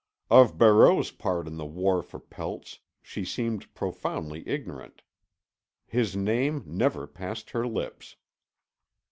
Of Barreau's part in the war for pelts, she seemed profoundly ignorant. His name never passed her lips.